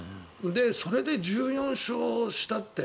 それで１４勝したって。